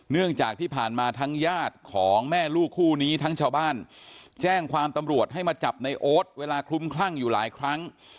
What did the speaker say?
เนื่องจากที่ผ่านมาทั้งญาติของแม่ลูกคู่นี้ทั้งชาวบ้านแจ้งความตำรวจให้มาจับในโอ๊ตเวลาคลุมคลั่งอยู่หลายครั้ง